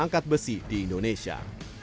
angkat besi di indonesia